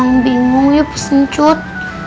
emang bingung ya pesencut